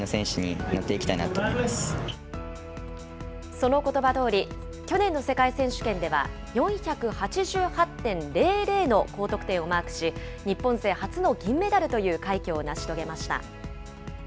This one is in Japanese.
そのことばどおり、去年の世界選手権では４８８．００の高得点をマークし、日本勢初の銀メダルという快挙を成し遂げました。